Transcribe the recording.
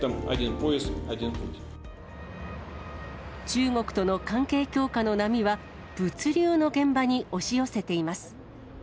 中国との関係強化の波は、物流の現場に押し寄せています。